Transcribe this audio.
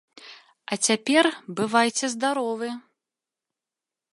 А цяпер бывайце здаровы!